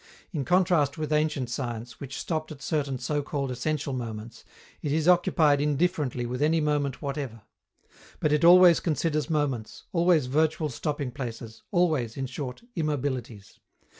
In contrast with ancient science, which stopped at certain so called essential moments, it is occupied indifferently with any moment whatever. But it always considers moments, always virtual stopping places, always, in short, immobilities.